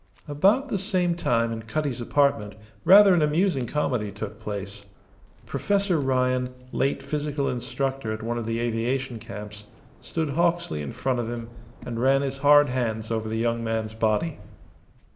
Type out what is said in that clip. About the same time in Cutty's apartment rather an amusing comedy took place. Professor Ryan, late physical instructor at one of the aviation camps, stood Hawksley in front of him and ran his hard hands over the young man's body.